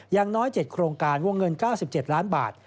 อย่างน้อย๗โครงการวงเงิน๙๗ล้านบาท